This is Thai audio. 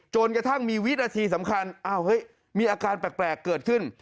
จนกระทั่งมีวินาทีสำคัญอ้าวเฮ้ยมีอาการแปลกเกิดขึ้น